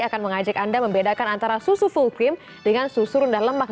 akan mengajak anda membedakan antara susu full cream dengan susu rendah lemak